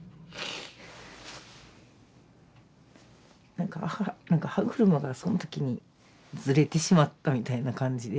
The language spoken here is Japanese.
なんかなんか歯車がそのときにずれてしまったみたいな感じで。